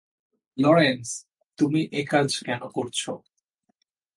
Lawrence, তুমি একাজ কেন করছ?